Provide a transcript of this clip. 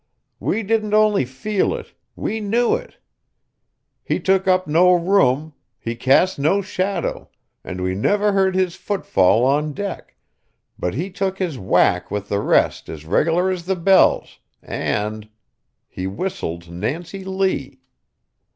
We didn't only feel it, we knew it. He took up no room, he cast no shadow, and we never heard his footfall on deck; but he took his whack with the rest as regular as the bells, and he whistled "Nancy Lee."